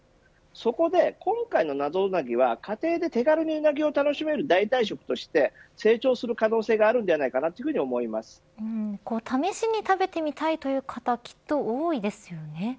そこで、今回の謎うなぎは家庭で手軽にウナギを楽しめる代替食として成長する可能性があるのでは試しに食べてみたいという方きっと多いですよね。